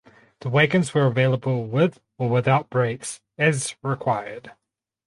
The wagons were available with or without brakes as required.